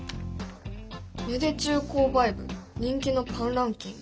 「芽出中購買部人気のパンランキング」？